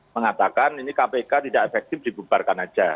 mengatakan ini kpk tidak efektif dibubarkan saja